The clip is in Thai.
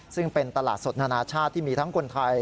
ซึ่งเป็นตลาดสดนานาชาติที่มีทั้งคนไทย